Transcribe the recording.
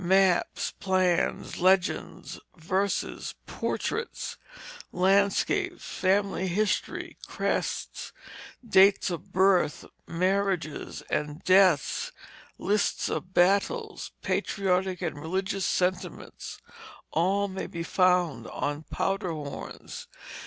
Maps, plans, legends, verses, portraits, landscapes, family history, crests, dates of births, marriages, and deaths, lists of battles, patriotic and religious sentiments, all may be found on powder horns.